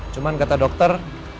cuman kata dokter